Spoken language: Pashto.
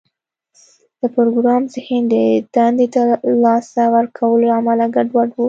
د پروګرامر ذهن د دندې د لاسه ورکولو له امله ګډوډ و